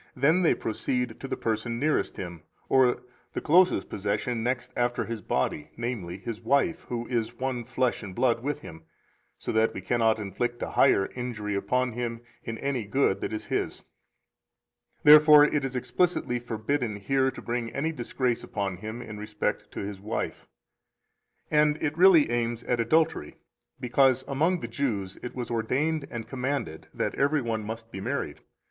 Then they proceed to the person nearest him, or the closest possession next after his body, namely, his wife, who is one flesh and blood with him, so that we cannot inflict a higher injury upon him in any good that is his. Therefore it is explicitly forbidden here to bring any disgrace upon him in respect to his wife. 201 And it really aims at adultery, because among the Jews it was ordained and commanded that every one must be married.